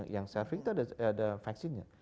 yang serving itu ada vaksinnya